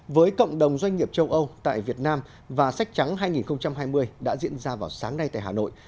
với cộng đồng doanh nghiệp châu âu tại việt nam và sách trắng hai nghìn hai mươi đã diễn ra vào sáng nay tại hà nội